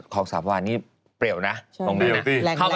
ครองสามวานนี่เปรียวนะตรงนั้นนะ